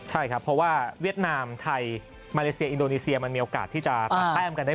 ใช่ครับเพราะว่าเวียดนามไทยมาเลเซียอินโดนีเซียมันมีโอกาสที่จะตัดแต้มกันได้